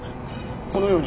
このように。